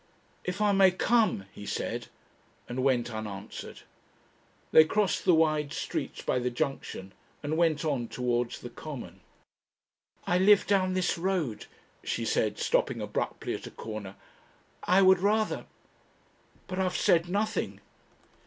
"If I may come," he said, and went unanswered. They crossed the wide streets by the Junction and went on towards the Common. "I live down this road," she said, stopping abruptly at a corner. "I would rather ..." "But I have said nothing."